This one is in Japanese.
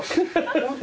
本当？